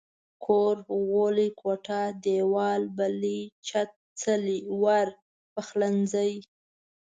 کور ، غولی، کوټه، ديوال، بلۍ، چت، څلی، ور، پخلنځي